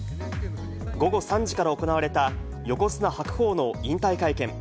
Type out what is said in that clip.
午後３時から行われた横綱・白鵬の引退会見。